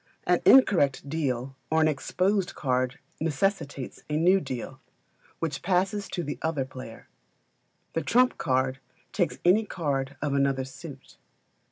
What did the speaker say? An incorrect deal or an exposed card necessitates a new deal, which passes to the other player. A trump card takes any card of another suit.